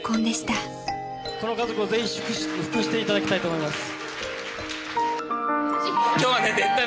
この家族をぜひ祝福していただきたいと思います。